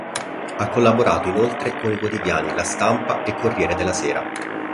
Ha collaborato inoltre con i quotidiani "La Stampa" e "Corriere della Sera".